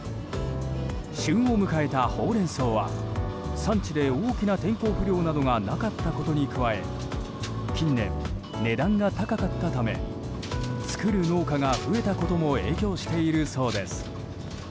旬を迎えたホウレンソウは産地で大きな天候不良などがなかったことに加え近年、値段が高かったため作る農家が増えたことも影響しているそうです。